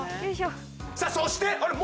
さあそしてあれ？